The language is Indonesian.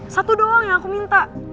satu doang yang aku minta